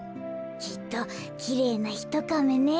きっときれいなひとカメね。